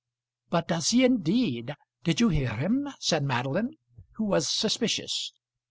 "But does he indeed? Did you hear him?" said Madeline, who was suspicious.